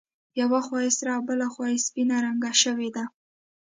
یوه خوا یې سره او بله خوا یې سپینه رنګ شوې ده.